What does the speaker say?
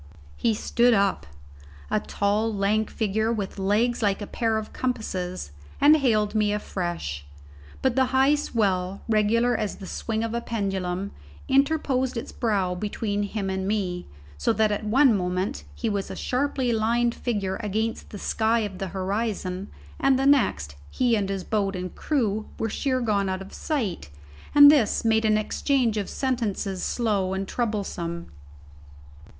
He stood up a tall, lank figure, with legs like a pair of compasses and hailed me afresh, but the high swell, regular as the swing of a pendulum, interposed its brow between him and me, so that at one moment he was a sharply lined figure against the sky of the horizon, and the next he and his boat and crew were sheer gone out of sight, and this made an exchange of sentences slow and troublesome.